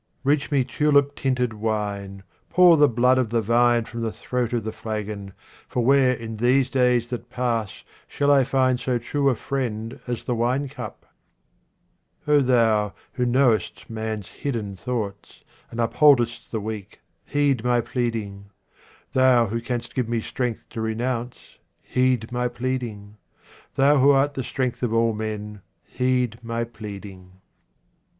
Reach me tulip tinted wine, pour the blood of the vine from the throat of the flagon, for where in these days that pass shall I find so true a friend as the wine cup ? O Thou who knowest man's hidden thoughts, and upholdest the weak, heed my pleading. Thou who canst give me strength to renounce, 65 e QUATRAINS OF OMAR KHAYYAM heed my pleading. Thou who art the strength of all men, heed my pleading.